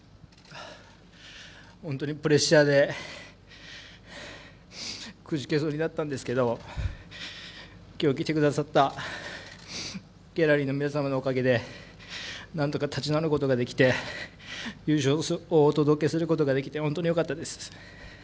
本当にプレッシャーでくじけそうになったんですけどきょう、来てくださったギャラリーの皆様のおかげでなんとか立ち直ることができて優勝をお届けすることができて本当によかったです。